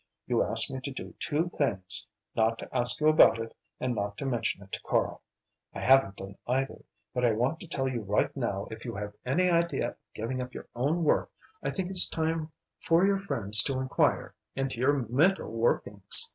You asked me to do two things not to ask you about it, and not to mention it to Karl. I haven't done either, but I want to tell you right now if you have any idea of giving up your own work I think it's time for your friends to inquire into your mental workings!